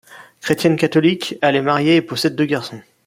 Chrétienne catholique, elle est mariée et possède deux garçons.